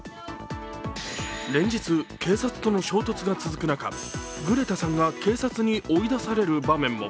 連日、警察との衝突が続く中、グレタさんは警察に追い出される場面も。